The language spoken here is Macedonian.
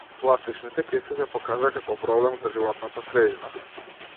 Пластичните кеси се покажаа како проблем за животната средина.